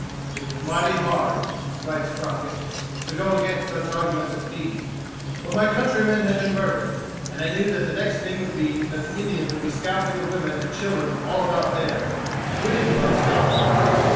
"It was mighty hard," writes Crockett, "to go against such arguments as these. But my countrymen had been murdered, and I knew that the next thing would be that the Indians would be scalping the women and children all about there, if we didn't put a stop to it.